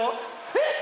えっ？